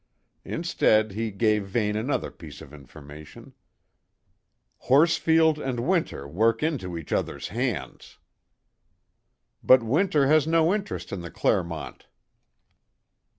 Instead, he gave Vane another piece of information: "Horsfield and Winter work into each other's hands." "But Winter has no interest in the Clermont."